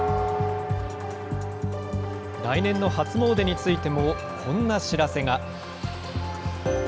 来年の初詣についても、こんな知らせが。